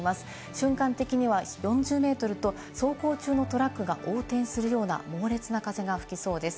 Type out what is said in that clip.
瞬間的には４０メートルと走行中のトラックが横転するような猛烈な風が吹きそうです。